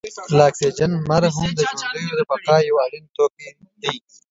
لکه اکسیجن، لمر هم د ژوندیو د بقا یو اړین توکی دی.